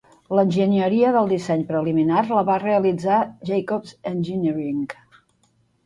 L'enginyeria del disseny preliminar la va realitzar Jacobs Engineering.